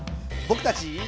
僕たち。